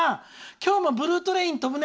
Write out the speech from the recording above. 今日もブルートレイン飛ぶね！